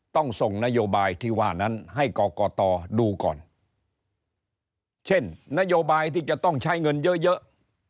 ต้องส่งนโยบายที่ว่านั้นให้กรกตดูก่อนเช่นนโยบายที่จะต้องใช้เงินเยอะเยอะ